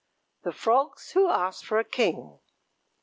THE FROGS WHO ASKED FOR A KING.